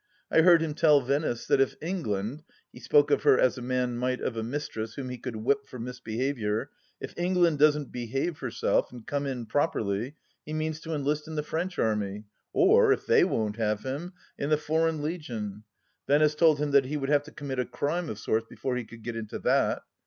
I heard him telling Venice that if England — ^he spoke of her as a man might of a mistress whom he could whip for mis behaviour — if England doesn't behave herself, and come in properly, he means to enlist in the French Army ; or, if they won't have him, in the Foreign Legion. Venice told him that he would have to commit a crime of sorts before he could get into that